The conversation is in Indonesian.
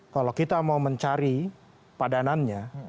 kalau kita mau mencari padanannya